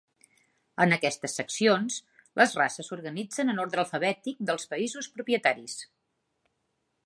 En aquestes seccions, les races s'organitzen en ordre alfabètic dels països propietaris.